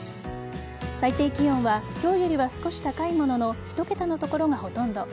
最低気温は今日よりは少し高いものの１桁の所がほとんど。